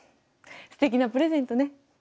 すてきなプレゼントね。